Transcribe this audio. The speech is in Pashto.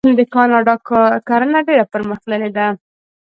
د کاناډا کرنه ډیره پرمختللې ده.